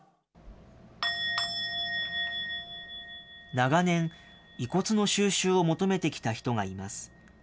長年、遺骨の収集を求めてきた人がいます。